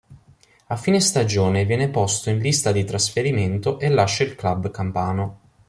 A fine stagione viene posto in lista di trasferimento e lascia il club campano.